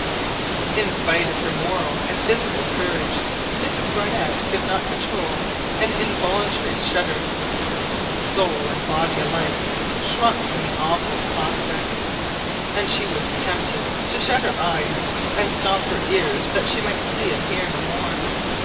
In spite of her moral and physical courage Mrs Barnett could not control an involuntary shudder. Soul and body alike shrunk from the awful prospect, and she was tempted to shut her eyes and stop her ears that she might see and hear no more.